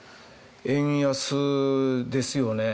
円安ですよね？